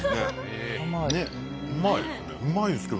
うまいですね。